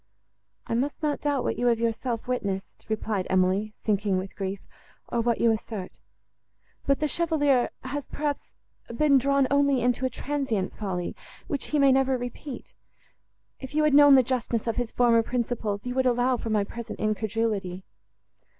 "I must not doubt what you have yourself witnessed," replied Emily, sinking with grief, "or what you assert. But the Chevalier has, perhaps, been drawn only into a transient folly, which he may never repeat. If you had known the justness of his former principles, you would allow for my present incredulity."